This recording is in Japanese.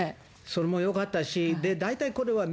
それもよかったし、大体これは＃